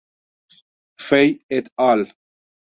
Fay "et al.